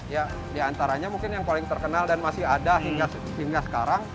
ya diantaranya mungkin yang paling terkenal dan masih ada hingga sekarang